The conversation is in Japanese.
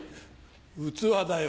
器だよ。